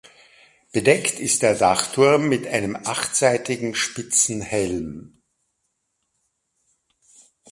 Bedeckt ist der Dachturm mit einem achtseitigen spitzen Helm.